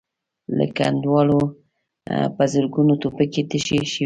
له کنډوالو په زرګونو ټوپکې تشې شوې.